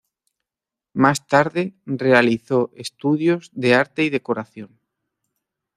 Más tarde realizó estudios de Arte y Decoración.